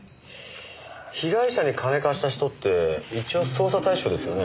被害者に金貸した人って一応捜査対象ですよね？